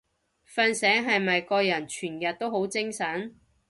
瞓醒係咪個人全日都好精神？